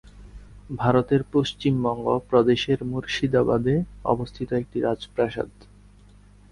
ভারতের পশ্চিমবঙ্গ প্রদেশের মুর্শিদাবাদে অবস্থিত একটি রাজপ্রাসাদ।